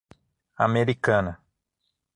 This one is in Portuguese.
Americana